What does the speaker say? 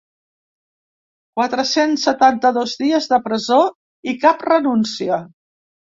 Quatre-cents setanta-dos dies de presó i cap renúncia.